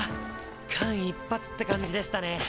間一髪って感じでしたね。